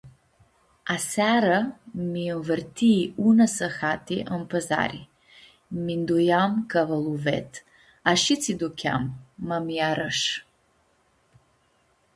Aseara mi-ãnvãrtii unã sãhati ãnpãzari, nj-minduieam cã va lu-ved, ashitsi ducheam, ma mi-arãsh.